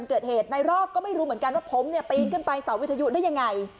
เกิดเหตุในรอบก็ไม่รู้เหมือนกันว่าผมเนี่ยปีนขึ้นไปเสาวิทยุได้ยังไง